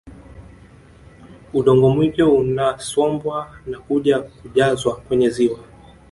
Udongo mwingi unasombwa na kuja kujazwa kwenye ziwa